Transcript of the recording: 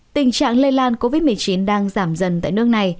tình trạng lây lan covid một mươi chín đang giảm dần tại nước này